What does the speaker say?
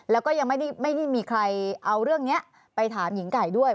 แล้วก็ยังไม่ได้มีใครเอาเรื่องนี้ไปถามหญิงไก่ด้วย